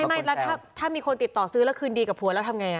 ไม่แล้วถ้ามีคนติดต่อซื้อแล้วคืนดีกับผัวแล้วทำไง